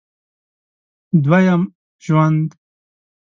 دوه یم ژوند